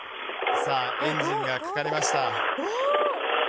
エンジンがかかりました。